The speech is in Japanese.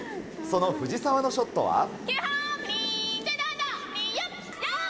その藤澤のショットは？